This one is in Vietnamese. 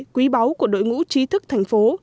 quý báu của đội ngũ trí thức thành phố